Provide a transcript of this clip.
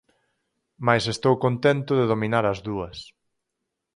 Mais estou contento de dominar as dúas.